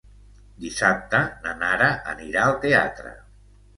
Dissabte na Nara anirà al teatre.